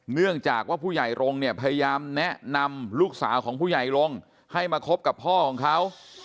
เนื่องจากว่าผู้ใหญ่รงค์เนี่ยพยายามแนะนำลูกสาวของผู้ใหญ่ลงให้มาคบกับพ่อของเขา